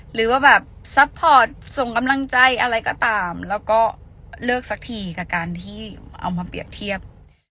หรือว่าแบบซัพพอร์ตส่งกำลังใจอะไรก็ตามแล้วก็เลิกสักทีกับการที่เอามาเปรียบเทียบ